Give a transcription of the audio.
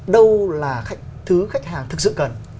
đâu là thứ khách hàng thực sự cần